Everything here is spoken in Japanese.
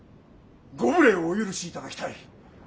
ご無礼をお許しいただきたい。